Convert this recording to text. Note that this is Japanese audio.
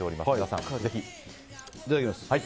いただきます。